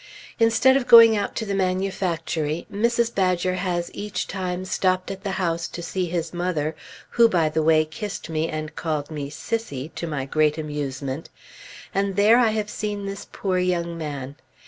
Instead of going out to the manufactory, Mrs. Badger has each time stopped at the house to see his mother (who, by the way, kissed me and called me "Sissie," to my great amusement) and there I have seen this poor young man.